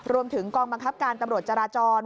รวมถึงกองบังคับการตำรวจจราจร